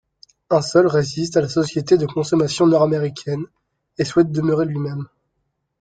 Un seul résiste à la société de consommation nord-américaine et souhaite demeurer lui-même.